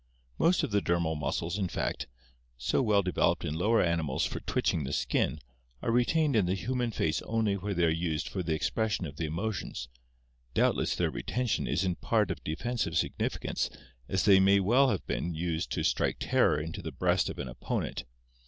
Most of the dermal muscles, in fact, so well developed in lower animals for twitching the skin, are retained in the human face only where they are used for the expres sion of the emotions. Doubtless their retention is in part of de fensive significance as they may well have been used to strike terror into the breast of an opponent.